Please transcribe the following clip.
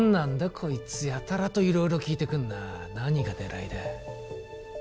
こいつやたらと色々聞いてくんな何が狙いだ？